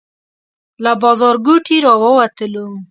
له بازارګوټي راووتلو.